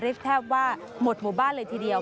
แทบว่าหมดหมู่บ้านเลยทีเดียว